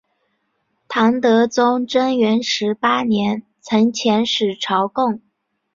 唐德宗贞元十八年曾遣使朝贡。